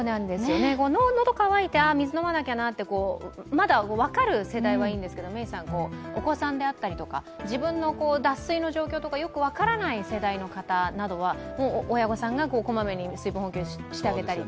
喉が渇いた、水飲まなきゃなってまだ分かる世代はいいんですけどお子さんであったりとか自分の脱水の状況とかよく分からない世代の方などは親御さんが小まめに水分補給してあげたりと。